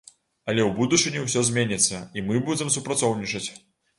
Але ў будучыні ўсё зменіцца і мы будзем супрацоўнічаць.